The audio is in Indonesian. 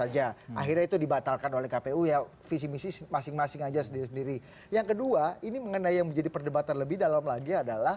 jadi itu sudah menjadi perdebatan lebih dalam lagi